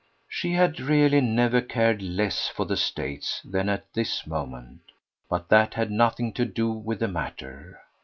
She had really never cared less for the States than at this moment; but that had nothing to do with the matter.